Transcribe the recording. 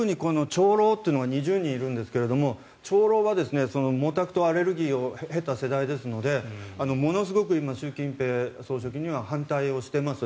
長老が２０人いるんですが長老は毛沢東アレルギーを経た世代ですのでものすごく習近平総書記には反対しています。